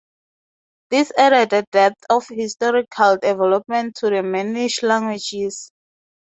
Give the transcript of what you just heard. This added a depth of historical development to the Mannish languages.